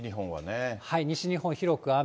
西日本広く雨。